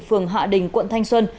phường hạ đình quận thanh xuân